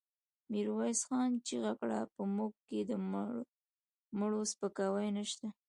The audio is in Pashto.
ميرويس خان چيغه کړه! په موږ کې د مړو سپکاوی نشته.